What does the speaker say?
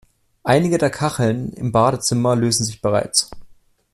Einige der Kacheln im Badezimmer lösen sich bereits.